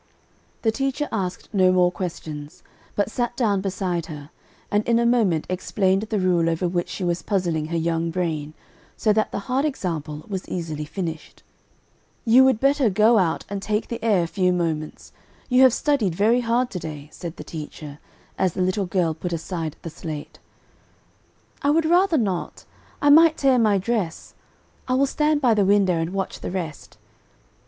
"The teacher asked no more questions, but sat down beside her, and in a moment explained the rule over which she was puzzling her young brain, so that the hard example was easily finished. "You would better go out and take the air a few moments; you have studied very hard to day," said the teacher, as the little girl put aside the slate. [Illustration: "The teacher sat down beside her and explained the rule."] "I would rather not, I might tear my dress, I will stand by the window and watch the rest."